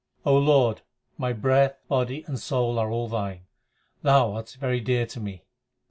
Lord, my breath, body, and soul are all Thine ; Thou art very dear to me.